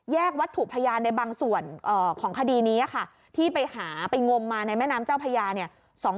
วัตถุพยานในบางส่วนของคดีนี้ค่ะที่ไปหาไปงมมาในแม่น้ำเจ้าพญาเนี่ย